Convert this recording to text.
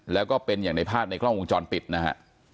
แล้วก็เป็นอย่างในภาพในกล้องวงจรปิดนะฮะ